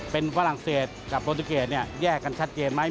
เป็นฝรั่งเศสกับปุตตุเกียร์แยกกันชัดเจนไหม